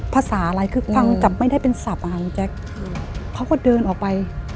ภาษาอะไรคือฟังจับไม่ได้เป็นศัพท์อ่ะค่ะพี่แจ๊คเขาก็เดินออกไป